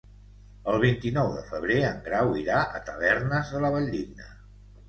El vint-i-nou de febrer en Grau irà a Tavernes de la Valldigna.